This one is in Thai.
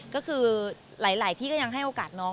ก็คือหลายที่ก็ยังให้โอกาสน้อง